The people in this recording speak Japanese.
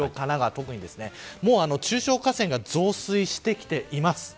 特に中小河川が増水してきています。